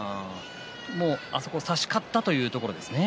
差し勝ったというところですね。